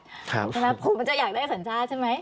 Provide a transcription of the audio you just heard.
ใช่ไหมผมจะอยากได้สัญชาติใช่ไหม